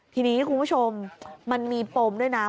ทีนี้คุณผู้ชมมันมีปมด้วยนะ